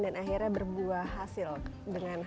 dan akhirnya berbuat hasil dengan hasil yang benar